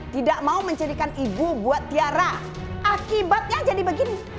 tidak mau mencurikan ibu buat tiara akibatnya jadi begini